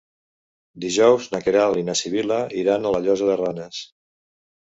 Dijous na Queralt i na Sibil·la iran a la Llosa de Ranes.